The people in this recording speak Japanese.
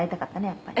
やっぱり」